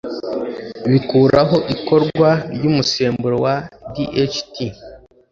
bikuraho ikorwa ry'umusemburo wa DHT